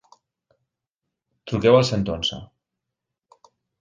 Truqueu al cent onze.